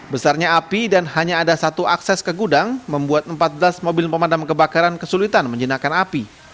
besarnya api dan hanya ada satu akses ke gudang membuat empat belas mobil pemadam kebakaran kesulitan menjinakkan api